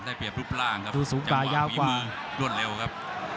ได้เปรียบรูปร่างครับสูงฝายาวควาดวนเร็วครับ